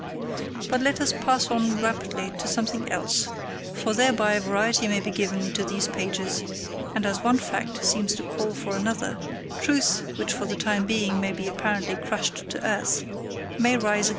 But let us pass on rapidly to something else, for thereby variety may be given to these pages, and as one fact seems to call for another, truth, which for the time being may be apparently crushed to earth, may rise again.